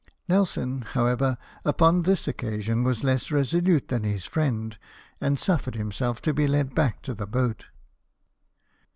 Nelson, however, upon this occasion was less resolute than his friend, and suffered himself to be led back to the boat.